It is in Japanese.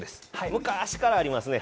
昔からありますね。